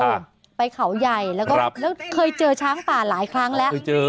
ค่ะไปเขาใหญ่แล้วก็เคยเจอช้างป่าหลายครั้งแล้วเคยเจอ